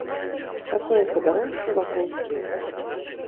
Такое падарожжа вакол свету.